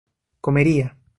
comería